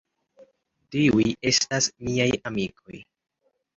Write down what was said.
Tiuj estas miaj amikoj.